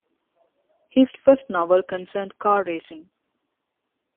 His first novel concerned car racing.